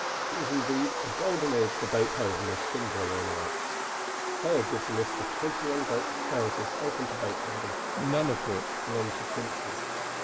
It was indeed a "golden age for Beethoven," as Schindler remarks. Thayer gives a list of twenty one great houses open to Beethoven, nine of which belonged to princes.